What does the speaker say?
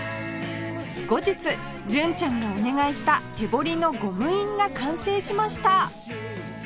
後日純ちゃんがお願いした手彫りのゴム印が完成しました！